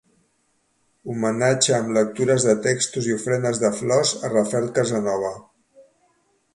Homenatge amb lectures de textos i ofrenes de flors a Rafael Casanova.